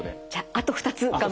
あと２つ。